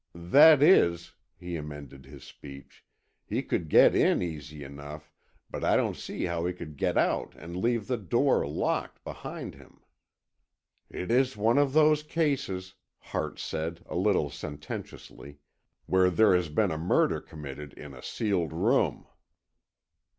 "That is," he amended his speech, "he could get in easy enough, but I don't see how he could get out and leave the door locked behind him." "It is one of those cases," Hart said, a little sententiously, "where there has been a murder committed in a sealed room."